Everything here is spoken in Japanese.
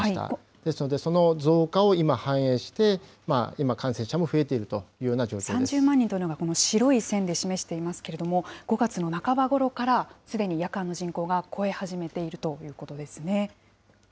ですので、その増加を今、反映して、今、感染者も増えているとい３０万人というのはこの白い線で示していますけれども、５月の半ばごろから、すでに夜間の人口が超え始めているということですね。